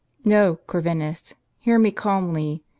" No, Corvinus, hear me calmly.